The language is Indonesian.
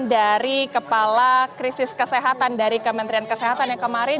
dari kepala krisis kesehatan dari kementerian kesehatan yang kemarin